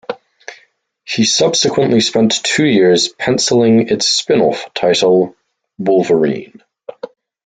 He subsequently spent two years pencilling its spin-off title "Wolverine".